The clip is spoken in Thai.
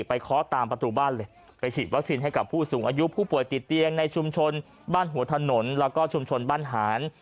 เคาะตามประตูบ้านเลยไปฉีดวัคซีนให้กับผู้สูงอายุผู้ป่วยติดเตียงในชุมชนบ้านหัวถนนแล้วก็ชุมชนบ้านหาน